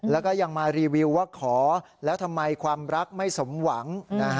แล้วก็ยังมารีวิวว่าขอแล้วทำไมความรักไม่สมหวัง